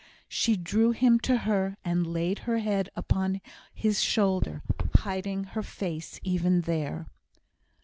She drew him to her, and laid her head upon his shoulder; hiding her face even there.